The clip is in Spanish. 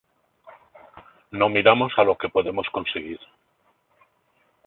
No miramos a lo que podemos conseguir.